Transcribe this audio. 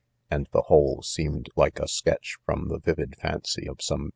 and the whole seemed like a sketch. from the vivid fancy of some pain ter.